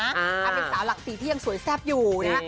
อันนี้เป็นสาวหลักศรีที่ยังสวยแซ่บอยู่นะครับ